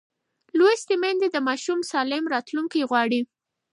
لوستې میندې د ماشوم سالم راتلونکی غواړي.